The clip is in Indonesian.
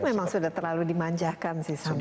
itu memang sudah terlalu dimanjakan sih sama bbm